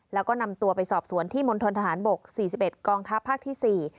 แล้วก็นำตัวไปสอบสวนที่มนตรฐานบก๔๑กองทัพภาคที่๔